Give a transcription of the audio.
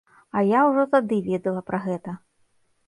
А я ўжо тады ведала пра гэта.